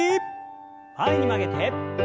前に曲げて。